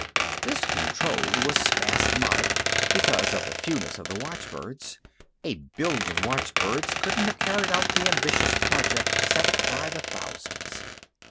This control was spasmodic, because of the fewness of the watchbirds. A billion watchbirds couldn't have carried out the ambitious project set by the thousands.